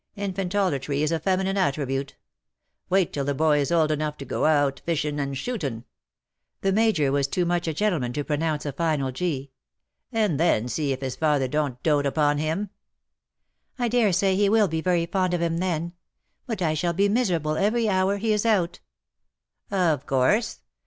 Infantolatry is a feminine attribute. Wait till the boy is old enough to go out iishin' and shootin *—•'■' the Major was too much a gentleman to pronounce a final g —" and then see if his father don^t dote upon him.'' " I dare say he will be very fond of him then. But I shall be miserable every hour he is out." " Of course.